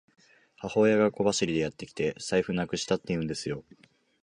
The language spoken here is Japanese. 母親が小走りでやってきて、財布なくしたって言うんですよ。